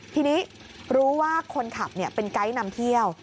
ทีนี้รู้ว่าคนขับเป็นไกด์นำเที่ยว